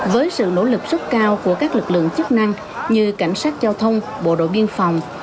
với sự nỗ lực rất cao của các lực lượng chức năng như cảnh sát giao thông bộ đội biên phòng